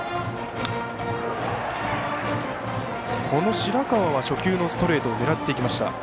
この白川は初球のストレートを狙っていきました。